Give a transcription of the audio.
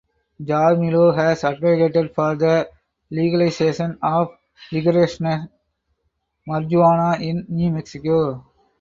Jaramillo has advocated for the legalization of recreational marijuana in New Mexico.